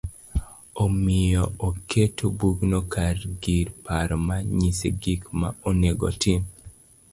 Omiyo oketo bugno ka gir paro ma nyise gik ma onego otim